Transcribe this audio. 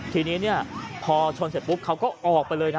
ทีนี้พอชนเสร็จปุ๊บเขาก็ออกไปเลยนะ